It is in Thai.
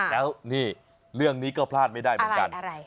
แล้วนี่เรื่องนี้ก็พลาดไม่ได้เหมือนกัน